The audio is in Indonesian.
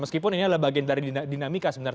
meskipun ini adalah bagian dari dinamika sebenarnya